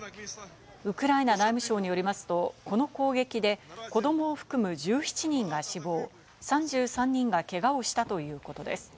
ウクライナ内務省によりますと、この攻撃で、子どもを含む１７人が死亡、３３人がけがをしたということです。